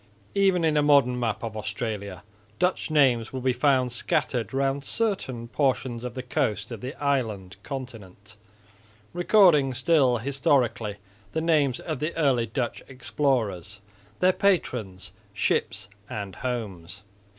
Even in a modern map of Australia Dutch names will be found scattered round certain portions of the coast of the island continent, recording still, historically, the names of the early Dutch explorers, their patrons, ships and homes.